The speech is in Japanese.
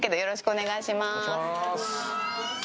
お願いします。